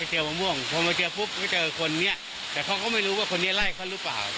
เจอมะม่วงพอมาเจอปุ๊บก็เจอคนนี้แต่เขาก็ไม่รู้ว่าคนนี้ไล่เขาหรือเปล่า